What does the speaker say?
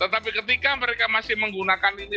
tapi kalau masyarakat kita menggunakan ini